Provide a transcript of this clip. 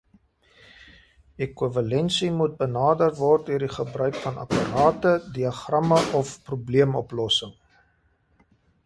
Ekwivalensie moet benader word deur die gebruik van apparate, diagramme of probleemoplossing.